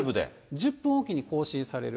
１０分おきで更新される。